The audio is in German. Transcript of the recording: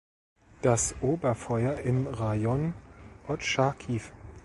Das Oberfeuer im Rajon Otschakiw.